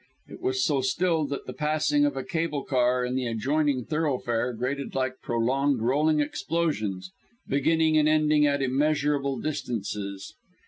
It was so still that the passing of a cable car in the adjoining thoroughfare grated like prolonged rolling explosions, beginning and ending at immeasurable distances.